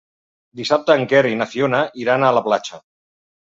Dissabte en Quer i na Fiona iran a la platja.